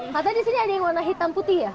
karena di sini ada yang warna hitam putih ya